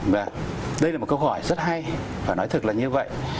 vâng đây là một câu hỏi rất hay và nói thật là như vậy